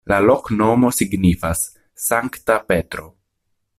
La loknomo signifas: Sankta Petro.